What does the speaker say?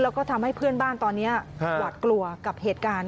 แล้วก็ทำให้เพื่อนบ้านตอนนี้หวัดกลัวกับเหตุการณ์